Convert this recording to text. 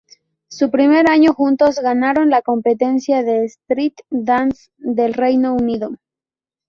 En su primer año juntos ganaron la competencia de street dance del Reino Unido.